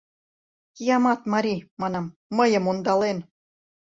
Киямат марий, манам, мыйым ондален.